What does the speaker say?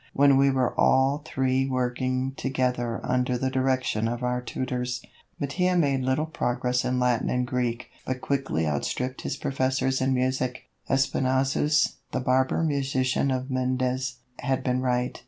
When we were all three working together under the direction of our tutors, Mattia made little progress in Latin and Greek, but quickly outstripped his professors in music. Espinassous, the barber musician of Mendes, had been right.